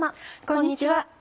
こんにちは。